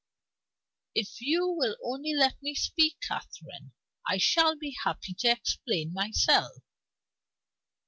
"If you will only let me speak, Catherine, I shall be happy to explain myself.